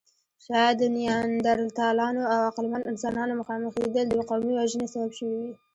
شاید د نیاندرتالانو او عقلمنو انسانانو مخامخېدل د قومي وژنې سبب شوې وي.